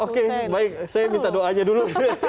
oke baik saya minta doanya dulu